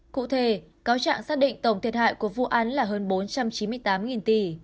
cụ thể cáo trạng xác định tổng thiệt hại của vụ án là hơn bốn trăm chín mươi tám tỷ